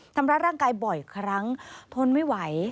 ทำร้ายร่างกายบ่อยครั้งทนไม่ไหว